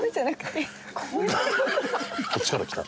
こっちから来た？